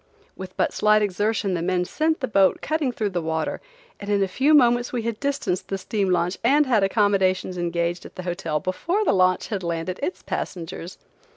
With but slight exertion the men sent the boat cutting through the water, and in a few moments we had distanced the steam launch and had accommodations engaged at the hotel before the launch had landed its passengers.